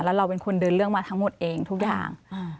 แล้วเราเป็นคนเดินเรื่องมาทั้งหมดเองทุกอย่าง